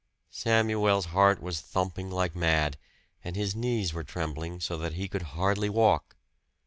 Samuel's heart was thumping like mad, and his knees were trembling so that he could hardly walk.